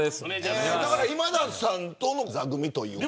今田さんとの座組というか。